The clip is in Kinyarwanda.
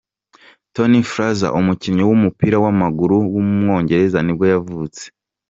Tommy Fraser, umukinnyi w’umupira w’amaguru w’umwongereza nibwo yavutse.